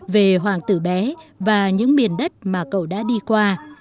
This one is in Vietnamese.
về hoàng tử bé và những miền đất mà cậu đã đi qua